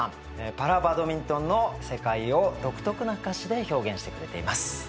パラバドミントンの世界を独特な歌詞で表現してくれています。